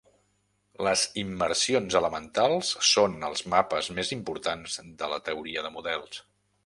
Les immersions elementals són els mapes més importants de la teoria de models.